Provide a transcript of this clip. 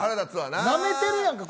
なめてるやんか。